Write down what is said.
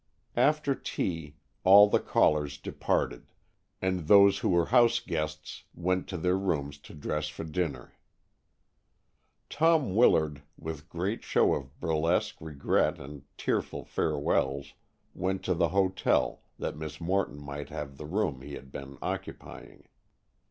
After tea all the callers departed, and those who were house guests went to their rooms to dress for dinner. Tom Willard, with great show of burlesque regret and tearful farewells, went to the hotel, that Miss Morton might have the room he had been occupying.